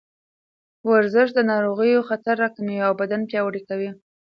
ورزش د ناروغیو خطر راکموي او بدن پیاوړی کوي.